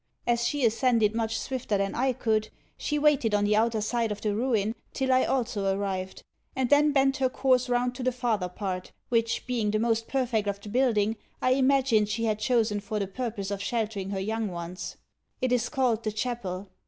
As she ascended much swifter than I could, she waited on the outer side of the ruin till I also arrived; and then bent her course round to the farther part, which being the most perfect of the building I imagined she had chosen for the purpose of sheltering her young ones. It is called the chapel.